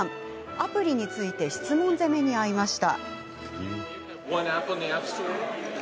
アプリについて質問攻めに合いました。